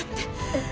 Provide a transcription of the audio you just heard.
えっ？